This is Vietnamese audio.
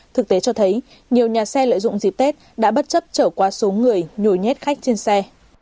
thực tế cho thấy nhiều nhà xe lợi dụng dịp tết đã bất chấp trở qua số người nhồi nhét khách trên xe